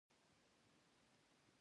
لانجه پاتې شوه.